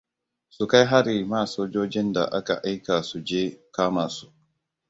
Su kai hari ma sojojin da aka aika suje kama su.